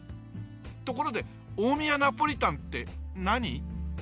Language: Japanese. ところで大宮ナポリタンって何？